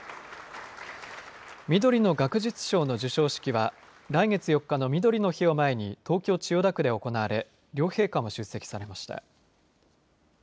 みどりの学術賞の授賞式は来月４日のみどりの日を前に東京、千代田区で行われ両陛下も出席されました。